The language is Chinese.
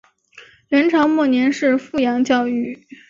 元朝末年是富阳教谕。